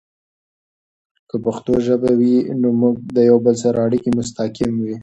که پښتو ژبه وي، نو زموږ د یوه بل سره اړیکې مستحکم وي.